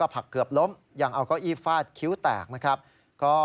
ผักเกือบล้มยังเอาเก้าอี้ฟาดคิ้วแตก